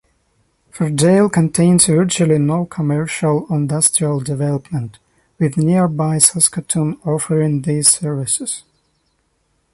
Furdale contains virtually no commercial or industrial development, with nearby Saskatoon offering these services.